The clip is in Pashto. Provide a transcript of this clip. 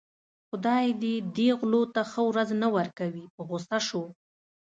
خدای دې دې غلو ته ښه ورځ نه ورکوي په غوسه شو.